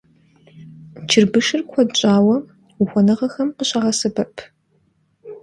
Чырбышыр куэд щӀауэ ухуэныгъэхэм къыщагъэсэбэп.